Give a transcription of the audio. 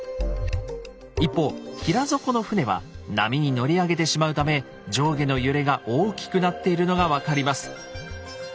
一方平底の船は波に乗り上げてしまうため上下の揺れが大きくなっているのが分かります。